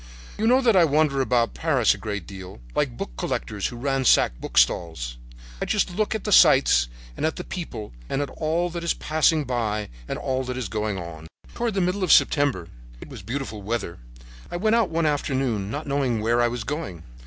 You know that I wander about Paris a great deal, like book collectors who ransack book stalls. I just look at the sights, at the people, at all that is passing by and all that is going on. "Toward the middle of September—it was beautiful weather—I went out one afternoon, not knowing where I was going.